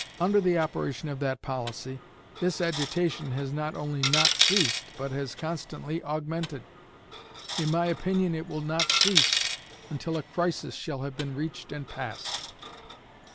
Under the operation of that policy this agitation has not only not ceased but has constantly augmented. In my opinion it will not cease until a crisis shall have been reached and passed.